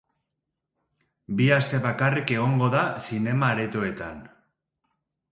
Bi aste bakarrik egongo da zinema-aretoetan.